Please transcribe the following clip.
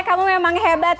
kamu memang hebat